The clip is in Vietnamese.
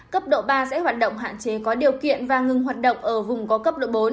cấp độ ba sẽ hoạt động hạn chế có điều kiện và ngừng hoạt động ở vùng có cấp độ bốn